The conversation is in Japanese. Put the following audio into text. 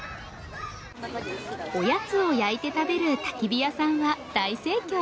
おやつを焼いて食べるたき火屋さんは大盛況！